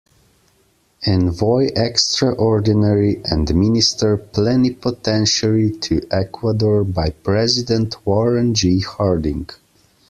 Envoy Extraordinary and Minister Plenipotentiary to Ecuador by President Warren G. Harding.